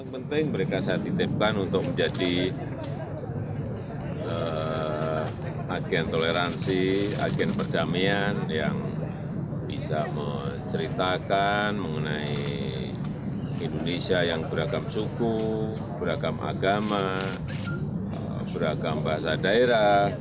penting mereka saya titipkan untuk menjadi agen toleransi agen perdamaian yang bisa menceritakan mengenai indonesia yang beragam suku beragam agama beragam bahasa daerah